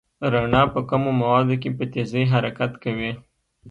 رڼا په کمو موادو کې په تېزۍ حرکت کوي.